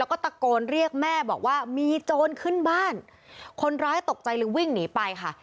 แล้วก็ตะโกนเรียกแม่บอกว่ามีโจรขึ้นบ้านคนร้ายตกใจเลยวิ่งหนีไปค่ะ